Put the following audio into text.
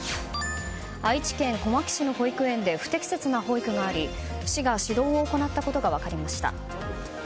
愛知県小牧市の保育園で不適切な保育があり市が指導を行ったことが分かりました。